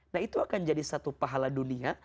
nah itu akan jadi satu pahala dunia